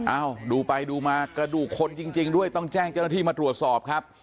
ดูไปดูมากระดูกคนจริงด้วยต้องแจ้งเจ้าหน้าที่มาตรวจสอบครับ